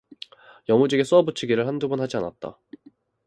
여무지게 쏘아붙이기를 한두 번 하지 않았다.